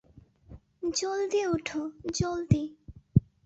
জলদি, ওঠ জলদি।